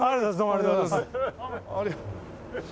ありがとうございます。